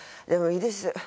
でもいいです。